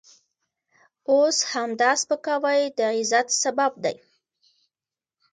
اوس همدا سپکاوی د عزت سبب دی.